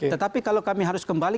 tetapi kalau kami harus kembali